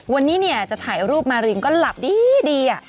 วันนี้เนี่ยจะถ่ายรูปมารินก็หลับดี